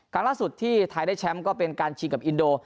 ครั้งล่าสุดที่ไทยได้แชมป์ก็เป็นการชิงกับอินโด